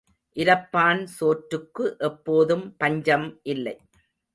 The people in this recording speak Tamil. இரப்பான் சோற்றுக்கு எப்போதும் பஞ்சம் இல்லை.